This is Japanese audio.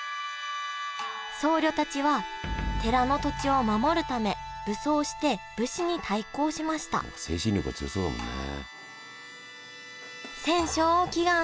僧侶たちは寺の土地を守るため武装して武士に対抗しました精神力が強そうだもんね。